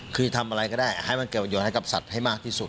คือทำอะไรก็ได้ให้มันเกิดประโยชน์ให้กับสัตว์ให้มากที่สุด